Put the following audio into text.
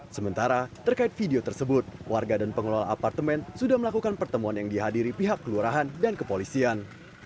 sementara terkait video tersebut warga dan pengelola apartemen sudah melakukan pertemuan yang dihadiri pihak kelurahan dan kepolisian